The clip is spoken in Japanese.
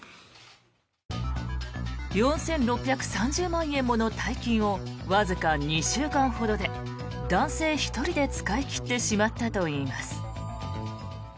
４６３０万円もの大金をわずか２週間ほどで男性１人で使い切ってしまったといいます。